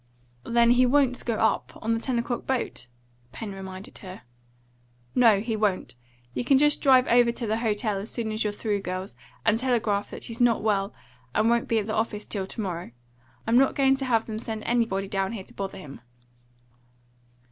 "Then he won't go up on the ten o'clock boat," Pen reminded her. "No, he won't. You can just drive over to the hotel as soon as you're through, girls, and telegraph that he's not well, and won't be at the office till to morrow. I'm not going to have them send anybody down here to bother him."